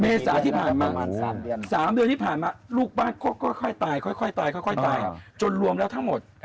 เมษาที่ผ่านมาสามเดือนที่ผ่านมาลูกบ้านก็ค่อยตายจนรวมแล้วทั้งหมด